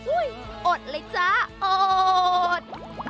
อุ๊ยอดเลยจ้าอด